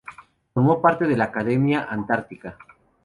Formó parte de la Academia Antártica.